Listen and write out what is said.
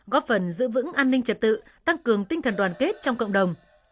góp phần giữ vững an ninh trật tự tăng cường tinh thần đoàn kết trong cộng đồng